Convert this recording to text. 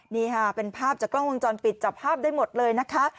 นี่ค่ะเป็นภาพจากกล้องวงจรปิดจับภาพได้หมดเลยนะคะ